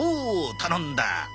頼んだ。